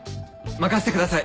任せてください！